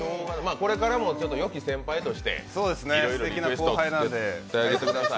これからも良き先輩としていろんな思い出を作ってあげてください。